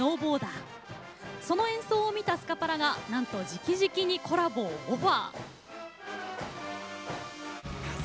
その演奏を見たスカパラがなんと、じきじきにコラボをオファー。